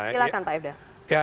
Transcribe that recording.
silakan pak ifdal